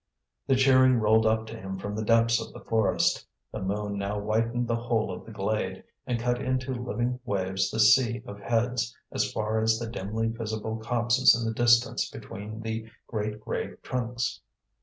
The cheering rolled up to him from the depths of the forest. The moon now whitened the whole of the glade, and cut into living waves the sea of heads, as far as the dimly visible copses in the distance between the great grey trunks.